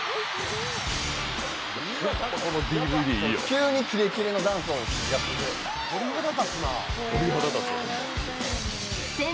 急にキレッキレのダンスをやってくれて。